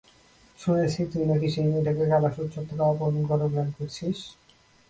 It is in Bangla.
শুনেছি তুই নাকি সেই মেয়েটাকে কালাশ উৎসব থেকে অপহরণ করার প্ল্যান করছিস।